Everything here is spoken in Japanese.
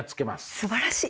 すばらしい！